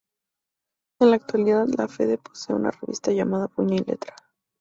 En la actualidad La Fede posee una revista llamada "Puño y letra".